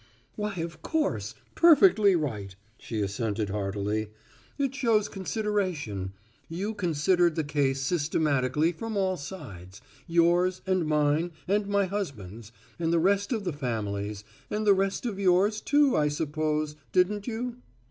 "Why, of course, perfectly right," she assented heartily. "It shows consideration. You considered the case systematically from all sides. Yours, and mine, and my husband's, and the rest of the family's, and the rest of yours, too, I suppose, didn't you?"